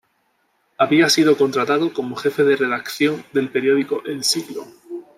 Había sido contratado como jefe de redacción del periódico El Siglo.